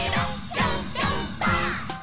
「ピョンピョンパ！！」